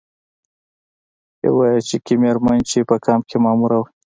یوه چکي میرمن چې په کمپ کې ماموره وه.